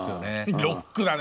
ロックだね。